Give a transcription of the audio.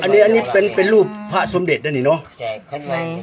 นี้บ้างนี้เป็นรูปผ้าสมเด็จด้วยนี่เนอะ